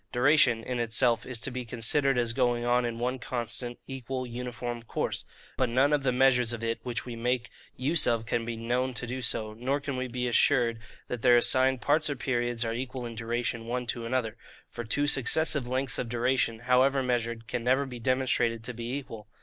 Duration, in itself, is to be considered as going on in one constant, equal, uniform course: but none of the measures of it which we make use of can be KNOWN to do so, nor can we be assured that their assigned parts or periods are equal in duration one to another; for two successive lengths of duration, however measured, can never be demonstrated to be equal.